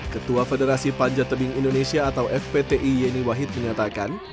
ketua federasi panjat tebing indonesia atau fpti yeni wahid menyatakan